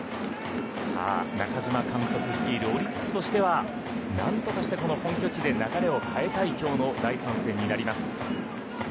中嶋監督率いるオリックスとしては何としてもこの本拠地で流れを変えたい今日の第３戦になります。